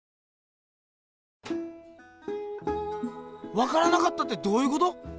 わからなかったってどういうこと？